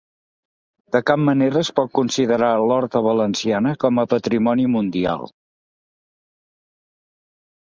De cap manera es pot considerar l'horta Valenciana com a patrimoni mundial